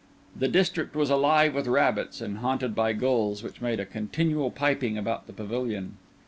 The district was alive with rabbits, and haunted by gulls which made a continual piping about the pavilion.